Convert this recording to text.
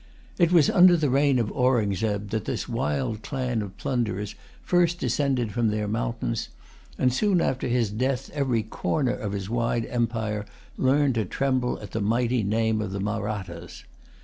It was under the reign of Aurungzebe that this wild clan of plunderers first descended from their mountains; and soon after his death, every corner of his wide empire learned to tremble at the mighty name of the Mahrattas.